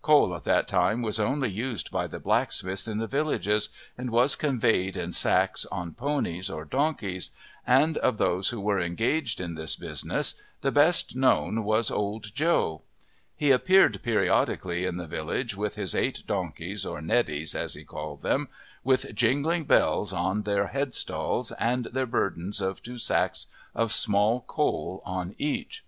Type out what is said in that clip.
Coal at that time was only used by the blacksmiths in the villages, and was conveyed in sacks on ponies or donkeys, and of those who were engaged in this business the best known was Old Joe. He appeared periodically in the villages with his eight donkeys, or neddies as he called them, with jingling bells on their headstalls and their burdens of two sacks of small coal on each.